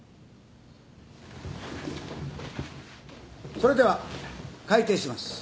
それでは開廷します。